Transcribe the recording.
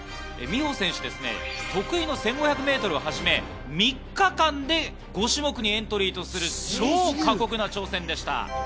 美帆選手ですね、得意の１５００ｍをはじめ、３日間で５種目にエントリーする超過酷な挑戦でした。